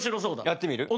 やってみる？